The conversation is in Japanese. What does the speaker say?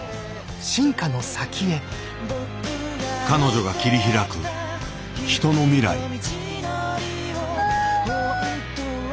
彼女が切り開く人の未来。